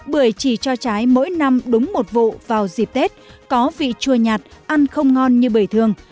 bưởi chỉ cho trái mỗi năm đúng một vụ vào dịp tết có vị chua nhạt ăn không ngon như bưởi thường